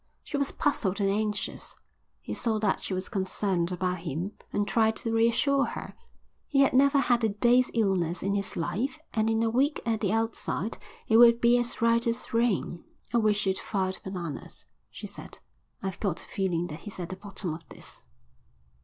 She was puzzled and anxious. He saw that she was concerned about him and tried to reassure her. He had never had a day's illness in his life and in a week at the outside he would be as right as rain. "I wish you'd fired Bananas," she said. "I've got a feeling that he's at the bottom of this."